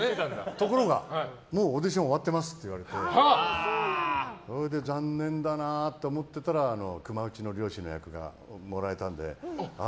ところがもうオーディション終わってますって言われて残念だなって思ってたら熊撃ちの猟師の役がもらえたのでああ